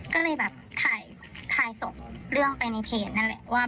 ก็เลยถ่ายส่งเรื่องไปในเพจนั่นแหละ